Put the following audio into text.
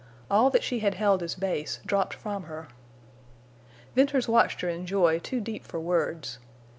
All that she had held as base dropped from her. Venters watched her in joy too deep for words.